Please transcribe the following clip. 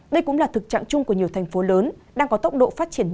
đây cũng là thực trạng chung của nhiều thành phố lớn